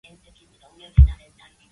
Armed Forces in Hong Kong mobilised.